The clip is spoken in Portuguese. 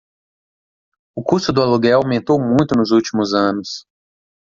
O custo do aluguel aumentou muito nos últimos anos.